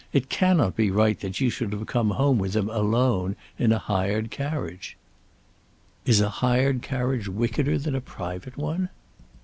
"It cannot be right that you should have come home with him alone in a hired carriage." "Is a hired carriage wickeder than a private one?"